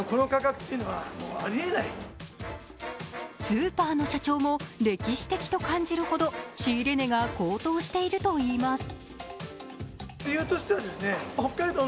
スーパーの社長も、歴史的と感じるほど仕入れ値が高騰しているといいます。